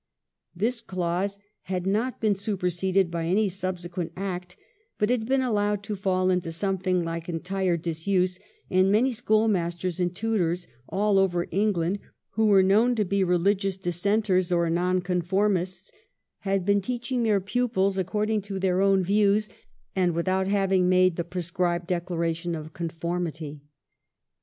This clause had not been superseded by any subsequent Act, but it had been allowed to fall into something like entire disuse ; and many schoolmasters and tutors aU over England, who were known to be rehgious Dissenters or Nonconformists, had been teaching their pupils 342 THE EEIGN OF QUEEN ANNE. ch. xxxvii. according to their own views, and without having made the prescribed declaration of conformity.